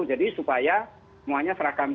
jadi supaya semuanya seragam